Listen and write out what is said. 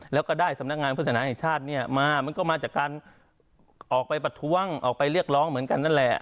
แล้วก็ได้สำนักงานพุทธศนาแห่งชาติเนี่ยมามันก็มาจากการออกไปประท้วงออกไปเรียกร้องเหมือนกันนั่นแหละ